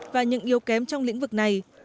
và những yêu kém trong lĩnh vực này